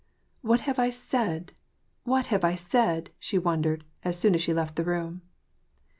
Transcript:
" What have I said ? what have I said ?" she wondered, as soon as she left the room.